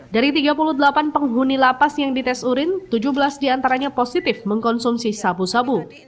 dari tiga puluh delapan penghuni lapas yang dites urin tujuh belas diantaranya positif mengkonsumsi sabu sabu